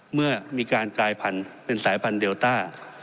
เมื่อมีการกลายพันธุ์เป็นสายพันธุเดลต้า